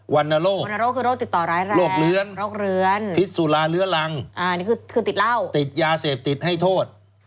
วันนโรคโรคเรือนพิษสุราเลื้อรังติดยาเสพติดให้โทษ